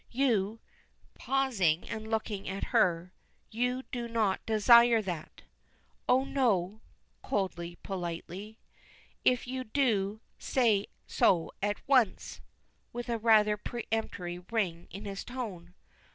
You" pausing and looking at her "you do not desire that?" "Oh, no," coldly, politely. "If you do, say so at once," with a rather peremptory ring in his tone.